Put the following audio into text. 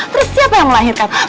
terus siapa yang melahirkan